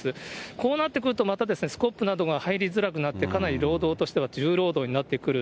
こうなってくるとまたスコップなどが入りづらくなって、かなり労働としては重労働になってくる。